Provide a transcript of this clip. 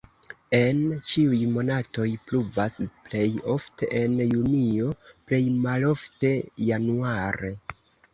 En ĉiuj monatoj pluvas, plej ofte en junio, plej malofte januare.